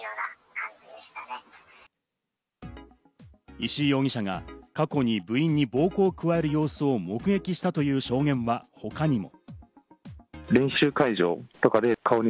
石井容疑者が過去に部員に暴行を加える様子を目撃したという証言は他にも。